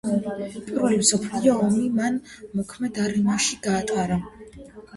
პირველი მსოფლიო ომი მან მოქმედ არმიაში გაატარა.